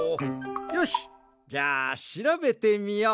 よしじゃあしらべてみよう。